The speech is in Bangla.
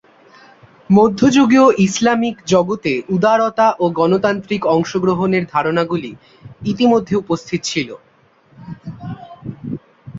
মধ্যযুগীয় ইসলামিক জগতে উদারতা ও গণতান্ত্রিক অংশগ্রহণের ধারণাগুলি ইতিমধ্যে উপস্থিত ছিল।